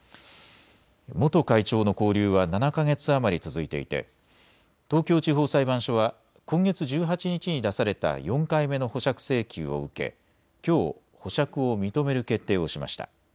元会長の勾留は７か月余り続いていて東京地方裁判所は今月１８日に出された４回目の保釈請求を受けきょう保釈を認める決定をしました。